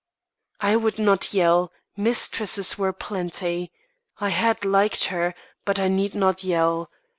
I would not yell mistresses were plenty. I had liked her, but I need not yell.